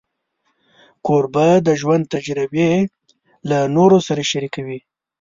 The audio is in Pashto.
کوربه د ژوند تجربې له نورو سره شریکوي.